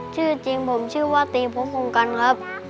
ชื่อจริงผมชื่อว่าตีภูมิภูมิกันครับ